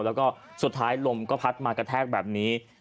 แล้วก็สุดท้ายลมก็พัดมากระแทกแบบนี้